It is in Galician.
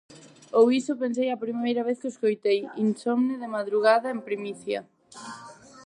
Ou iso pensei a primeira vez que o escoitei, insomne de madrugada, en primicia.